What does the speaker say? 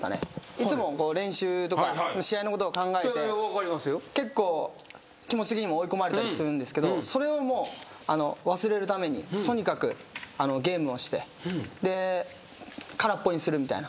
いつも練習とか試合のことを考えて結構気持ち的にも追い込まれたりするんですけどそれを忘れるためにとにかくゲームをして空っぽにするみたいな。